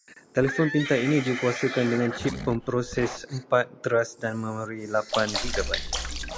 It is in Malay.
Telefon pintar ini dikuasakan dengan chip pemproses empat teras dan memori lapan gigabait.